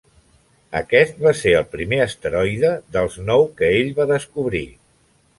Aquest va ser el primer asteroide dels nou que ell va descobrir.